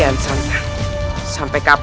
aku sudah selesai